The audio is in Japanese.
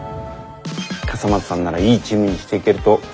笠松さんならいいチームにしていけると期待しています。